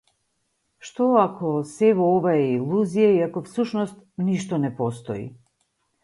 Што ако сево ова е илузија и ако всушност ништо не постои?